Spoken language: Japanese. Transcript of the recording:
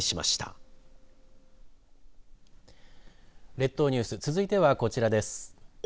列島ニュース続いてはこちらです。